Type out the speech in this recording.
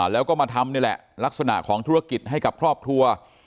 แล้วก็มาทำนี่แหละลักษณะของธุรกิจให้กับครอบครัว